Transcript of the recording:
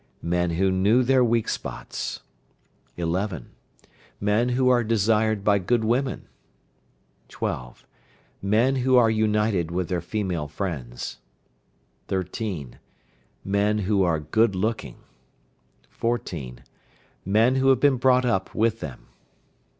Men who knew their weak points. 11. Men who are desired by good women. 12. Men who are united with their female friends. 13. Men who are good looking. 14. Men who have been brought up with them.